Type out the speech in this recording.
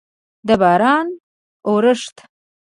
د باران اورښت